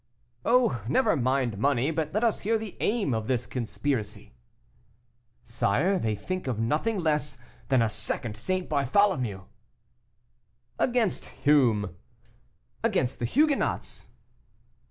"Oh! never mind money, but let us hear the aim of this conspiracy." "Sire, they think of nothing less than a second St. Bartholomew." "Against whom?" "Against the Huguenots."